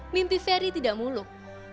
mimpi ferry tidak muluk